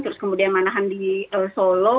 terus kemudian manahan di solo